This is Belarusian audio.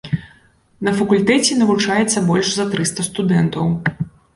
На факультэце навучаецца больш за трыста студэнтаў.